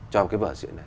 cho cái vở diễn này